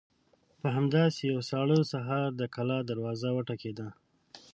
په همداسې يوه ساړه سهار د کلا دروازه وټکېده.